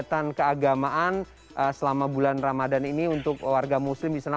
kegiatan keagamaan selama bulan ramadan ini untuk warga muslim di sana